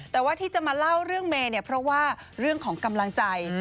แต่ว่าที่จะมาเล่าเรื่องเมย์เนี่ยเพราะว่าเรื่องของกำลังใจ